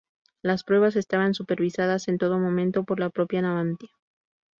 Las pruebas estaban supervisadas en todo momento por la propia Navantia.